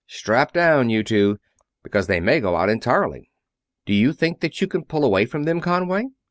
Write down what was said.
Strap down, you two, because they may go out entirely!" "Do you think that you can pull away from them, Conway?"